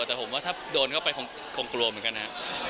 แต่ผมว่าถ้าโดนก็คงกลัวเหมือนกันนะ